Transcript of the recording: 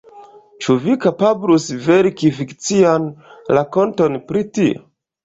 Ĉu vi kapablus verki fikcian rakonton pri tio?